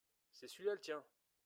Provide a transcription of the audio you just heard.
C’est celui-là le tien.